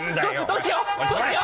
どうしよう！？